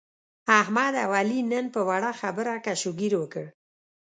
احمد او علي نن په وړه خبره کش او ګیر وکړ.